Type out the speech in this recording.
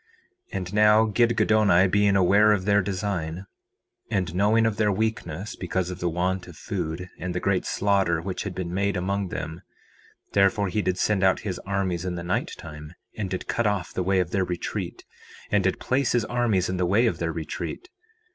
4:24 And now, Gidgiddoni being aware of their design, and knowing of their weakness because of the want of food, and the great slaughter which had been made among them, therefore he did send out his armies in the night time, and did cut off the way of their retreat, and did place his armies in the way of their retreat.